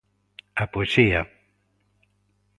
A poesía.